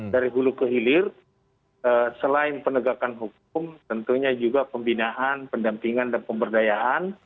dari hulu ke hilir selain penegakan hukum tentunya juga pembinaan pendampingan dan pemberdayaan